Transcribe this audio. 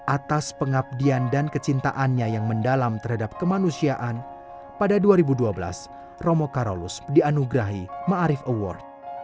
atas pengabdian dan kecintaannya yang mendalam terhadap kemanusiaan pada dua ribu dua belas romo karolus dianugerahi ⁇ maarif ⁇ award